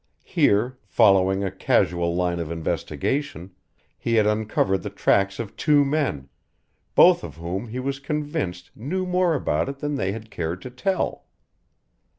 Here, following a casual line of investigation, he had uncovered the tracks of two men, both of whom he was convinced knew more about it than they had cared to tell.